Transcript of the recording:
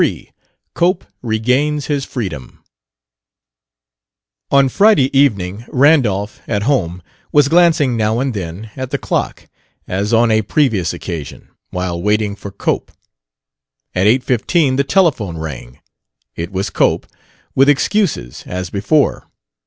23 COPE REGAINS HIS FREEDOM On Friday evening Randolph, at home, was glancing now and then at the clock (as on a previous occasion), while waiting for Cope. At eight fifteen the telephone rang; it was Cope, with excuses, as before.